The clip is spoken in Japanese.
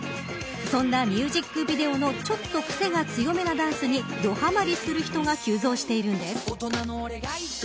そんなミュージックビデオのちょっとくせが強めなダンスにどハマりする人が急増しているんです。